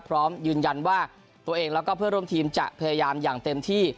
พร้อมยืนยันว่าตัวเองแล้วก็เพื่อนร่วมทีมจะพยายามอย่างเต็มที่